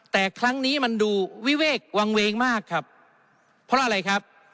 แต่ครั้งนี้มันดูวิเวกวางเวงมากครับเพราะอะไรครับ